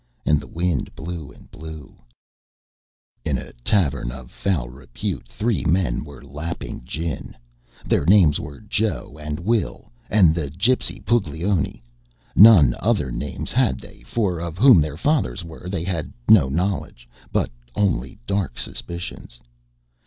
And the wind blew and blew. In a tavern of foul repute three men were lapping gin. Their names were Joe and Will and the gypsy Puglioni; none other names had they, for of whom their fathers were they had no knowledge, but only dark suspicions.